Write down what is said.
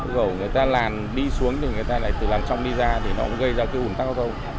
nếu người ta làm đi xuống thì người ta lại từ làm trong đi ra thì nó cũng gây ra ủn tắc giao thông